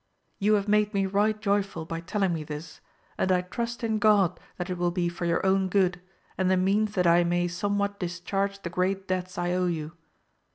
You have made me right joyful by telling me this, and I trust in God that it will be for your own good, and the means that I may somewhat discharge the great debts I owe you.